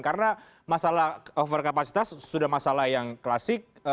karena masalah overkapasitas sudah masalah yang klasik